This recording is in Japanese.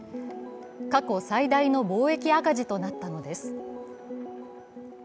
過去最大の貿易赤字となったのです。